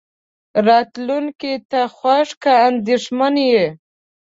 راتلونکې ته خوښ که اندېښمن يې.